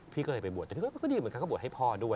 พี่ก็เลยไปบวชแต่พี่ก็ดีเหมือนกันก็บวชให้พ่อด้วย